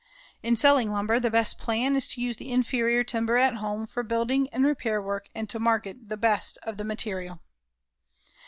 In selling lumber, the best plan is to use the inferior timber at home for building and repair work and to market the best of the material.